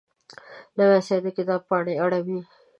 لمسی د کتاب پاڼې اړوي.